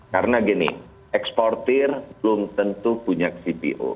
karena gini eksportir belum tentu punya cpo